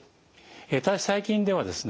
ただし最近ではですね